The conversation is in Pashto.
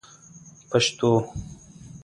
پشتو